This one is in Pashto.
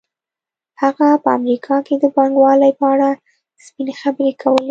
هغه په امریکا کې د پانګوالۍ په اړه سپینې خبرې کولې